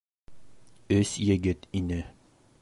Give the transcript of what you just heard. Өс егет ине.